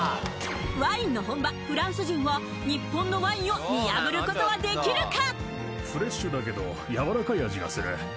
ワインの本場フランス人は日本のワインを見破ることはできるか？